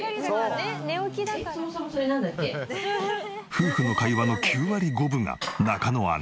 夫婦の会話の９割５分が中野アナ。